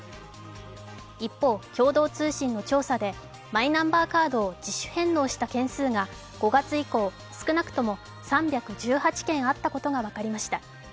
一方、共同通信の調査でマイナンバーカードを自主返納した件数が５月以降、少なくとも３１８件あったことが分かりました。